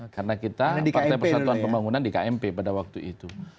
karena kita partai persatuan pembangunan di kmp pada waktu itu